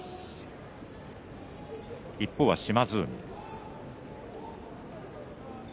一方は島津海。